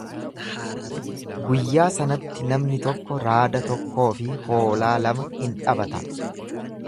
Guyyaa sanatti namni tokko raada tokkoo fi hoolaa lama in dhabata.